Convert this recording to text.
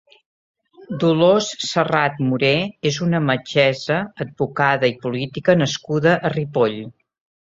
Dolors Serrat Moré és una metgessa, advocada i política nascuda a Ripoll.